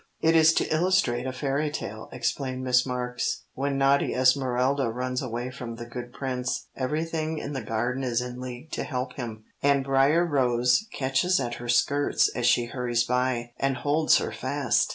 "It is to illustrate a fairy tale," explained Miss Marks. "When naughty Esmerelda runs away from the good prince, everything in the garden is in league to help him, and Brier Rose catches at her skirts as she hurries by, and holds her fast."